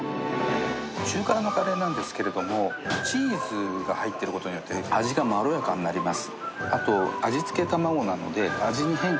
中辛のカレーなんですけれども、チーズが入ってることによって、味がまろやかになります。